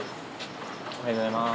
おはようございます。